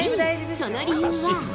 その理由は。